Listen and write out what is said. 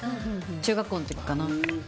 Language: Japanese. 中学校の時かな。